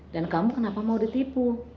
dan kamu kenapa mau ditipu